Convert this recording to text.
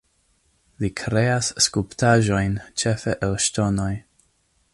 Li kreas skulptaĵojn ĉefe el ŝtonoj.